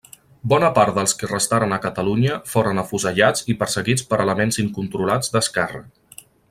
Bona part dels qui restaren a Catalunya foren afusellats i perseguits per elements incontrolats d'esquerra.